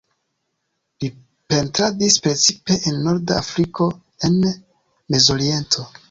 Li pentradis precipe en norda Afriko en Mezoriento.